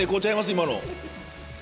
今の。